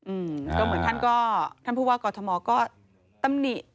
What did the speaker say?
อืมก็เหมือนท่านก็ท่านผู้ว่ากอทมก็ตำหนิ